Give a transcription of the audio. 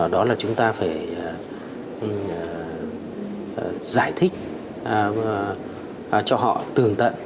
đó là chúng ta phải giải thích cho họ tường tận